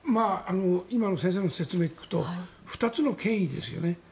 今の先生の説明を聞くと２つの権威ですよね。